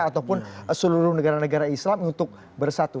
ataupun seluruh negara negara islam untuk bersatu